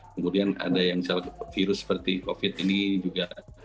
kemudian ada yang misalnya virus seperti covid ini juga